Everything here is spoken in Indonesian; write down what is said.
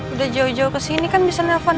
udah jauh jauh ke sini kan bisa nelfon